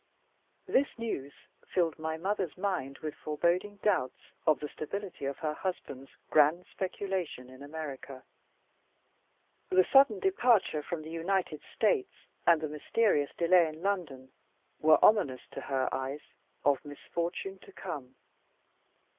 This news filled my mother's mind with foreboding doubts of the stability of her husband's grand speculation in America. The sudden departure from the United States, and the mysterious delay in London, were ominous, to her eyes, of misfortune to come.